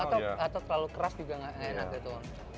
atau yang terlalu keras juga gak enak gitu